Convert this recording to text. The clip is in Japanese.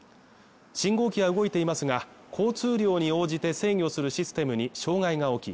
信号機は動いていますが交通量に応じて制御するシステムに障害が起き